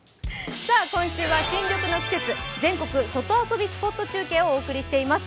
今週は新緑の季節全国外遊びスポット中継をお送りしています。